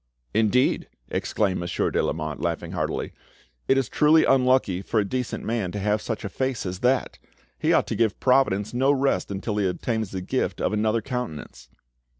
"Indeed," exclaimed Monsieur de Lamotte, laughing heartily, "it is truly unlucky for a decent man to have such a face as that! He ought to give Providence no rest until he obtains the gift of another countenance."